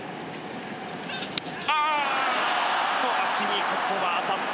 ああーっと足にここは当たった。